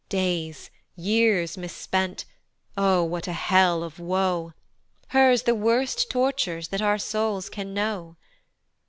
Days, years mispent, O what a hell of woe! Hers the worst tortures that our souls can know.